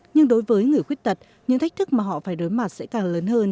nhưng đối với người khuyết tật những thách thức mà họ phải đối mặt sẽ càng lớn hơn